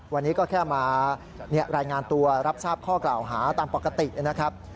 วันนี้ก็แค่มารายงานตัวรับทราบข้อกล่าวหาตามปกตินะครับ